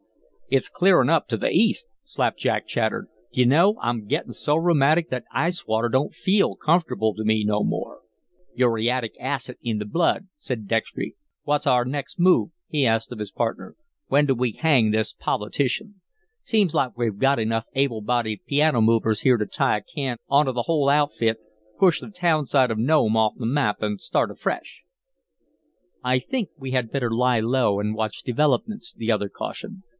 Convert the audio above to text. "It's clearing up to the east," Slapjack chattered. "D'you know, I'm gettin' so rheumatic that ice water don't feel comfortable to me no more." "Uriatic acid in the blood," said Dextry. "What's our next move?" he asked of his partner. "When do we hang this politician? Seems like we've got enough able bodied piano movers here to tie a can onto the whole outfit, push the town site of Nome off the map, and start afresh." "I think we had better lie low and watch developments," the other cautioned.